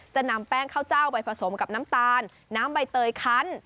จะนำแป้งข้าวเจ้าไปผสมกับน้ำตาลน้ำใบเตยคัน